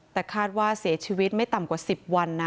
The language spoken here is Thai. แต่คาดว่าเสียชีวิตไม่ต่ำกว่า๑๐วันนะ